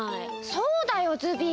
そうだよズビー。